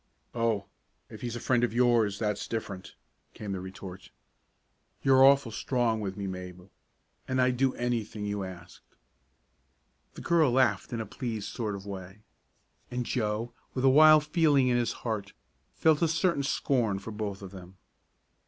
"Oh, if he's a friend of yours, that's different," came the retort. "You're awful strong with me, Mabel, and I'd do anything you asked." The girl laughed in a pleased sort of way, and Joe, with a wild feeling in his heart, felt a certain scorn for both of them.